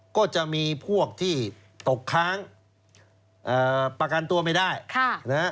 ก็จะมีพวกที่ตกค้างประกันตัวไม่ได้ค่ะนะฮะ